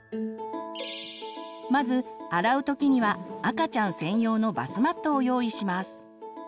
まず洗う時には赤ちゃん専用のバスマットを用意します。